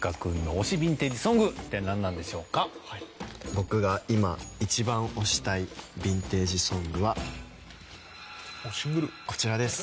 僕が今一番推したいヴィンテージ・ソングはこちらです。